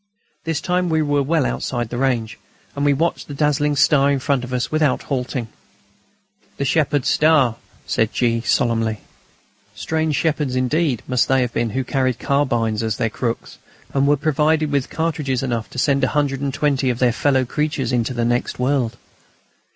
This time we were well outside the range, and we watched the dazzling star in front of us without halting. "The shepherds' star," said G. solemnly. Strange shepherds indeed must they have been who carried carbines as their crooks, and were provided with cartridges enough to send a hundred and twenty of their fellow creatures into the next world.